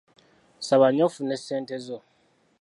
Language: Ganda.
Saba nnyo ofune ssente zo.